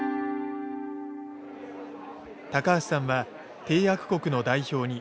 高橋さんは締約国の代表に個別に接触。